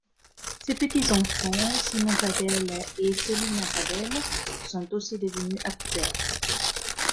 Ses petits-enfants, Simon Cadell et Selina Cadell sont aussi devenus acteurs.